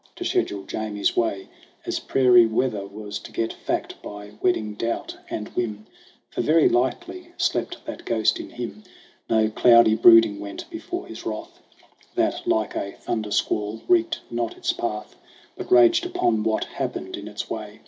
To schedule Jamie's way, as prairie weather, Was to get fact by wedding doubt and whim ; For very lightly slept that ghost in him. No cloudy brooding went before his wrath That, like a thunder squall, recked not its path, But raged upon what happened in its way.